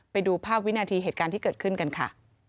ไปดูภาพวินาทีเหตุการณ์ที่เกิดขึ้นกันค่ะ